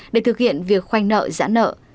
để thực hiện việc khoanh nợ giãn nợ